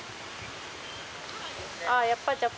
ああやっぱじゃあ